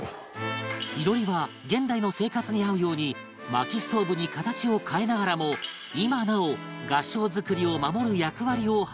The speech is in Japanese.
囲炉裏は現代の生活に合うように薪ストーブに形を変えながらも今なお合掌造りを守る役割を果たしていた